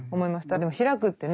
でも開くってね